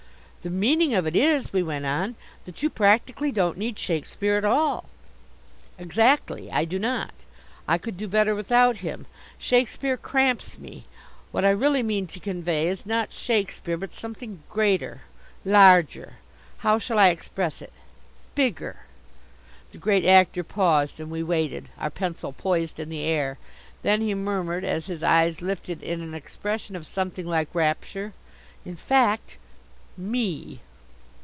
"The meaning of it is," we went on, "that you practically don't need Shakespeare at all." "Exactly, I do not. I could do better without him. Shakespeare cramps me. What I really mean to convey is not Shakespeare, but something greater, larger how shall I express it bigger." The Great Actor paused and we waited, our pencil poised in the air. Then he murmured, as his eyes lifted in an expression of something like rapture. "In fact ME."